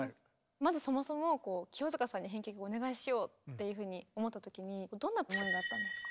まずそもそも清塚さんに編曲お願いしようっていうふうに思ったときにどんな思いがあったんですか？